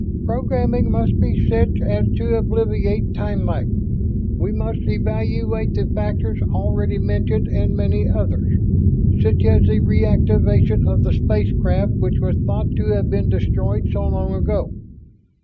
"Programming must be such as to obviate time lag. We must evaluate the factors already mentioned and many others, such as the reactivation of the spacecraft which was thought to have been destroyed so long ago.